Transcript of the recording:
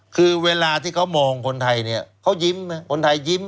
คือเวลาที่เขามองคนไทยเนี่ยเขายิ้มนะคนไทยยิ้ม